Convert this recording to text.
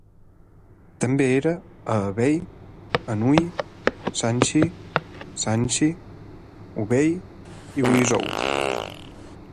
També era a Hebei, Anhui, Shanxi, Shaanxi, Hubei i Guizhou.